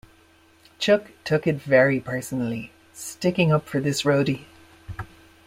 Chuck took it very personally, sticking up for this roadie.